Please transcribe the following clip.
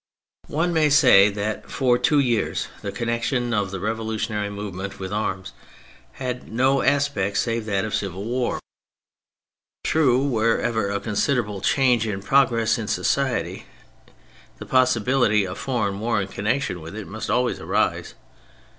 One may say that for two years the con nection of the revolutionary movement with arms had no aspect save that of civil war THE MILITARY ASPECT 151 True, whenever a considerable change is in progress in society the possibihty of foreign war in connection with it must always arise.